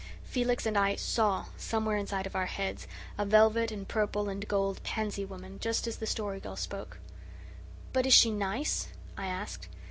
Felix and I SAW, somewhere inside of our heads, a velvet and purple and gold pansy woman, just as the Story Girl spoke. "But is she NICE?" I asked.